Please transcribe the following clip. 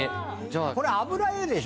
これ油絵でしょ？